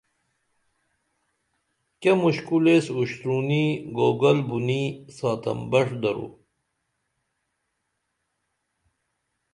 کیہ مُشکُل ایس اُشترونی گوگل بُنیں ساتن بݜ درو